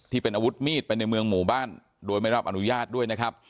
ที่เป็นอาวุธมีดไปในเมืองหมู่บ้านโดยไม่รับอนุญาตด้วยนะครับ